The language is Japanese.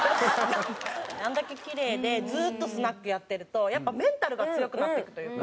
あれだけキレイでずっとスナックやってるとやっぱメンタルが強くなっていくというか。